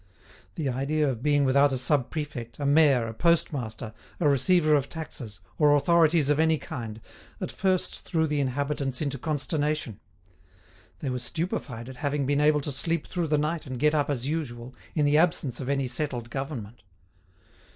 The idea of being without a sub prefect, a mayor, a postmaster, a receiver of taxes, or authorities of any kind, at first threw the inhabitants into consternation. They were stupefied at having been able to sleep through the night and get up as usual, in the absence of any settled government.